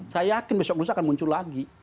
saya yakin besok besok akan muncul lagi